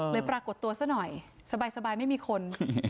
ปรากฏตัวซะหน่อยสบายไม่มีคน